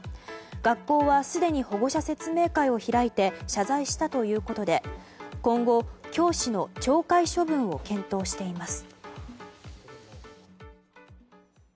学校はすでに保護者説明会を開いて謝罪したということで今後、教師の懲戒処分を検討しています。